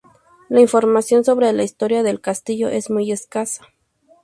La información sobre la historia del castillo es muy escasa.